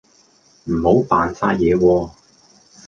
唔好扮晒嘢喎